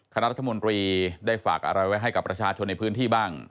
คณะรัฐมนตรีได้ฝากอะไรไว้ให้กับประชาชนในพื้นที่บ้าง